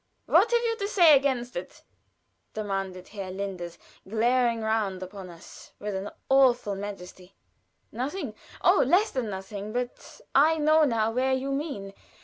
What have you to say against it?" demanded Herr Linders, glaring round upon us with an awful majesty. "Nothing oh, less than nothing. But I know now where you mean.